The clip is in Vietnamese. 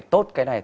tốt cái này